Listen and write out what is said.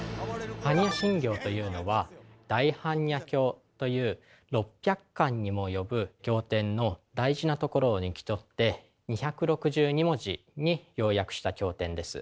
般若心経というのは「大般若経」という６００巻にも及ぶ経典の大事な所を抜き取って２６２文字に要約した経典です。